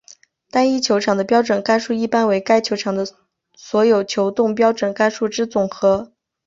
单一球场的标准杆数一般为该球场的所有球洞标准杆数之总和。